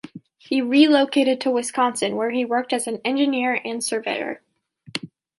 He relocated to Wisconsin, where he worked as an engineer and surveyor.